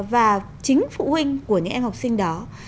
và chính phụ huynh của những em học sinh đó